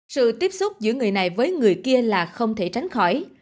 sự tiếp xúc giữa người này với người kia là không thể tránh khỏi